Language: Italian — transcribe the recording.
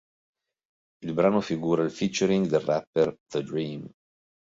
Il brano figura il featuring del rapper The-Dream.